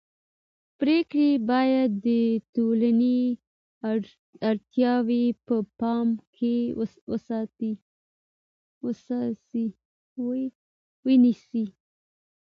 پرېکړې باید د ټولنې اړتیاوې په پام کې ونیسي